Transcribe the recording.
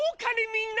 みんな！